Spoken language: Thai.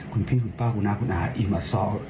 คุณพี่คุณป้าคุณน้าคุณอาอีห์มัดซ้อ